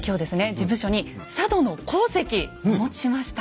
事務所に佐渡の鉱石お持ちしました。